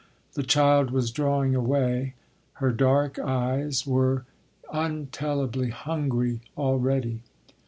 The child was drawing away. Her dark eyes were untellably hungry already.